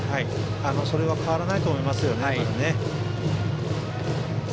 それは変わらないと思います。